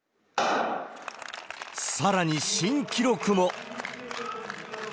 さらに新記録も。